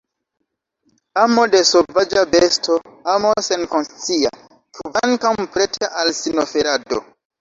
Amo de sovaĝa besto, amo senkonscia, kvankam preta al sinoferado.